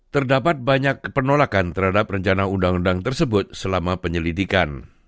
terdapat banyak penolakan terhadap rencana undang undang tersebut selama penyelidikan